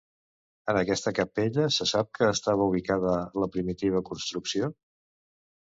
En aquesta capella se sap que estava ubicada la primitiva construcció.